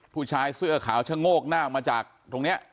ผู้ชายเสื้อขาวชะโงกหน้าออกมาจากตรงนี้